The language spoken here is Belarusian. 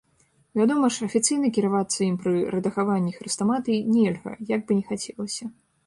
Вядома ж, афіцыйна кіравацца ім пры рэдагаванні хрэстаматый нельга, як бы ні хацелася.